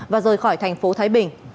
và rời khỏi thành phố thái bình